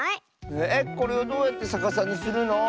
えっこれをどうやってさかさにするの？